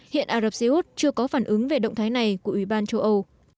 hiện ả rập xê út chưa có phản ứng về động thái này của ủy ban châu âu